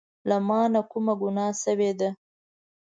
له مانه کومه ګناه شوي ده